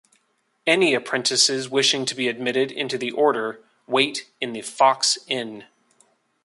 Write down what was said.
Any apprentices wishing to be admitted into the order wait in the Fox Inn.